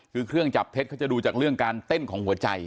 คือเครื่องจับเท็จเขาจะดูจากเรื่องการเต้นของหัวใจ